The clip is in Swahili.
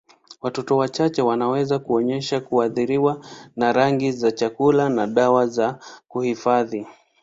Watoto wachache wanaweza kuonyesha kuathiriwa na rangi za chakula na dawa za kuhifadhi.